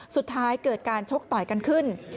สุดท้ายเกิดการชกต่อยกันขึ้น